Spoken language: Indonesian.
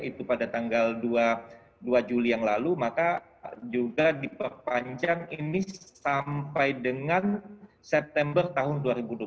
itu pada tanggal dua juli yang lalu maka juga diperpanjang ini sampai dengan september tahun dua ribu dua puluh satu